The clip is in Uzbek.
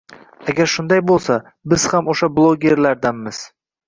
Agar shunday bo'lsa, biz ham o'sha bloggerlardanmiz